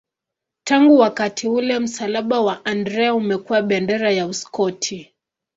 Tangu wakati ule msalaba wa Andrea umekuwa bendera ya Uskoti.